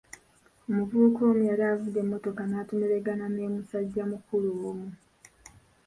Omuvubuka omu yali avuga emmotoka n'atomeregana ne musajja mukulu omu.